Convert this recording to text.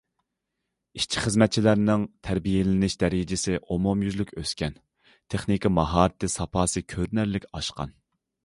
ئىشچى- خىزمەتچىلەرنىڭ تەربىيەلىنىش دەرىجىسى ئومۇميۈزلۈك ئۆسكەن، تېخنىكا ماھارىتى ساپاسى كۆرۈنەرلىك ئاشقان.